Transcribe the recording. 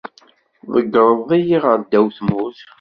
Tḍeyyreḍ-iyi ɣer ddaw n tmurt.